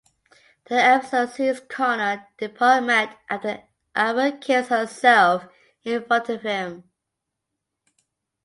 The episode sees Connor depart Med after Ava kills herself in front of him.